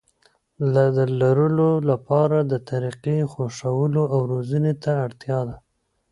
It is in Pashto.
د لرلو لپاره د طريقې خوښولو او روزنې ته اړتيا ده.